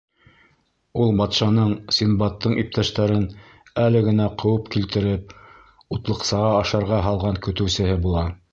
Ул батшаның, Синдбадтың иптәштәрен әле генә ҡыуып килтереп, утлыҡсаға ашарға һалған көтөүсеһе була.